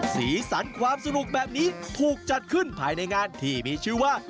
สีสันความสนุกแบบนี้ถูกจัดขึ้นภายในงานที่มีชื่อว่า